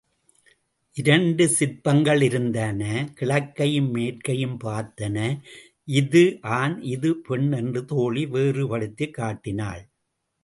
இரண்டு சிற்பங்கள் இருந்தன கிழக்கையும் மேற்கையும் பார்த்தன இது ஆண் இது பெண் என்று தோழி வேறுபடுத்திக் காட்டினாள்.